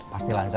pasti lancar lah